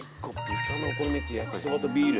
豚のお好み焼きと焼きそばとビール。